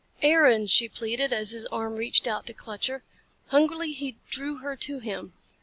"Aaron!" she pleaded as his arm reached out to clutch her. Hungrily he drew her to him.